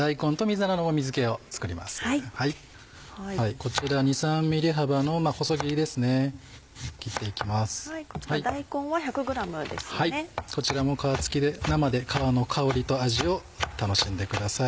こちらも皮付きで生で皮の香りと味を楽しんでください。